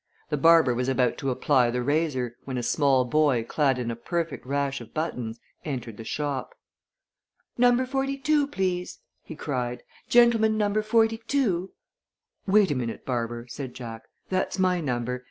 The barber was about to apply the razor, when a small boy clad in a perfect rash of buttons entered the shop. "NUMBER FORTY TWO, please!" he cried. "Gentleman number FORTY TWO!" "Wait a minute, Barber," said Jack. "That's my number.